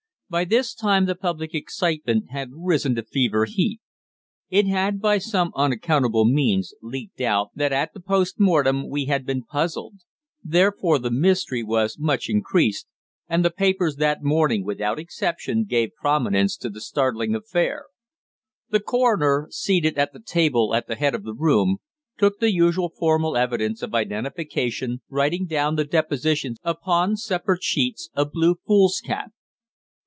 By this time the public excitement had risen to fever heat. It had by some unaccountable means leaked out that at the post mortem we had been puzzled; therefore the mystery was much increased, and the papers that morning without exception gave prominence to the startling affair. The coroner, seated at the table at the head of the room, took the usual formal evidence of identification, writing down the depositions upon separate sheets of blue foolscap.